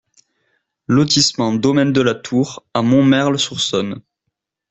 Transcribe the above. Lotissement Domaine de la Tour à Montmerle-sur-Saône